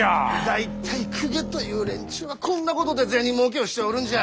大体公家という連中はこんなことで銭もうけをしておるんじゃ。